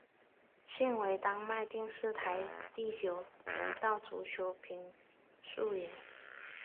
现为丹麦电视台第九频道足球评述员。